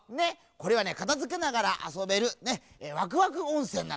これはねかたづけながらあそべるねワクワクおんせんなのです。